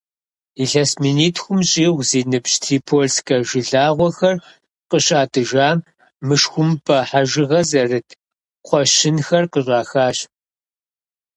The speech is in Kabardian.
Илъэс минитхум щӏигъу зи ныбжь трипольскэ жылагъуэхэр къыщатӏыжам, мышхумпӏэ хьэжыгъэ зэрыт кхъуэщынхэр къыщӏахащ.